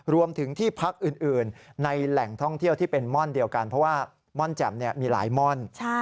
รวมถึงที่พักอื่นในแหล่งท่องเที่ยวที่เป็นม่อนเดียวกันเพราะว่าม่อนแจ่มมีหลายม่อน